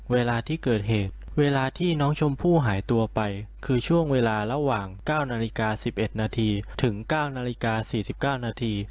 เวลาที่เกิดเหตุเวลาที่น้องชมพู่หายตัวไปคือช่วงเวลาระหว่าง๙นาฬิกา๑๑นาทีถึง๙นาฬิกา๔๙นาที